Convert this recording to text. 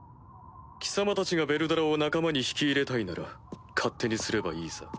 貴様たちがヴェルドラを仲間に引き入れたいなら勝手にすればいいさ。